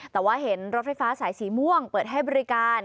แต่ว่าเห็นรถไฟฟ้าสายสีม่วงเปิดให้บริการ